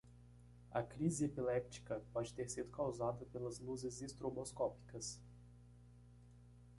A crise epiléptica pode ter sido causada pelas luzes estroboscópicas.